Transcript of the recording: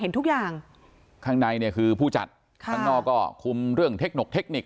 ทุกอย่างข้างในเนี่ยคือผู้จัดค่ะข้างนอกก็คุมเรื่องเทคนหกเทคนิค